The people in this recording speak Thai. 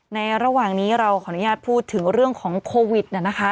ในระหว่างนี้เราขออนุญาตพูดถึงเรื่องของโควิดนะคะ